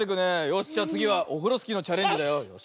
よしじゃあつぎはオフロスキーのチャレンジだよ。